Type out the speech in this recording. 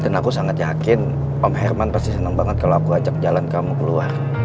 aku sangat yakin om herman pasti senang banget kalau aku ajak jalan kamu keluar